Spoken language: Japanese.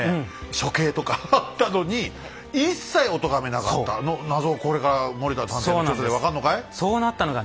処刑とかあったのに一切おとがめなかったあの謎をこれから森田探偵の調査で分かんのかい？